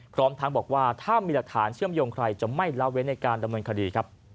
พร้อมทั้งบอกว่าถ้ามีหลักฐานเชื่อมโยงใครจะไม่ละเว้นในการดำเนินคดีครับ